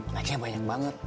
likesnya banyak banget